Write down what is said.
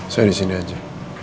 saya disini aja